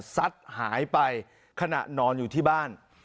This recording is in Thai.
ซัดหายไปขณะนอนอยู่ที่บ้าน